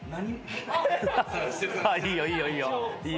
いいよいいよいいよ。